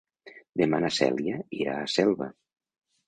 Demà na Cèlia irà a Selva.